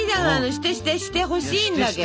してしてしてほしいんだけど！